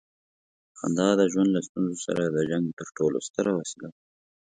خندا د ژوند له ستونزو سره د جنګ تر ټولو ستره وسیله ده.